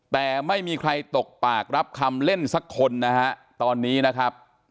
แต่ไม่มีใครตกปากรับคำเล่นสักคนนะฮะตอนนี้นะครับ